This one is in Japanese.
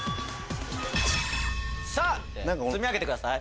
積み上げてください。